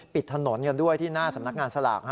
ปิดถนนกันด้วยที่หน้าสำนักงานสลาก